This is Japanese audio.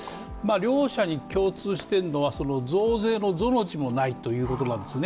両者に共通しているのは増税の「ぞ」の字もないということなんですね。